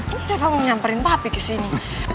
ini reva mau nyamperin papi ke sini